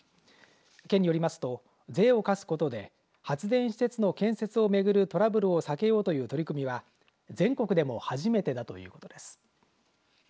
県によりますと税を課すことで発電施設の建設を巡るトラブルを避けようという取り組みは全国でも初めてだということです。